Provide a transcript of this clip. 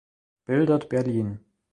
Bildet Berlin!